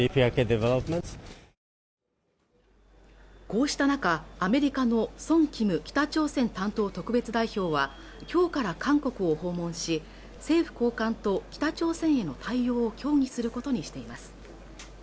こうした中アメリカのソン・キム北朝鮮担当特別代表は今日から韓国を訪問し政府高官と北朝鮮への対応を協議することにしています